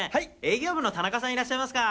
「営業部のタナカさんいらっしゃいますか？」